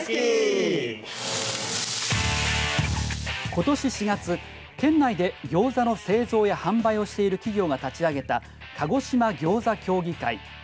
ことし４月、県内でギョーザの製造や販売をしている企業が立ち上げた鹿児島ぎょうざ協議会。